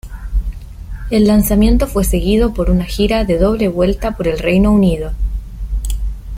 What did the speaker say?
El lanzamiento fue seguido por una gira de doble vuelta por el Reino Unido.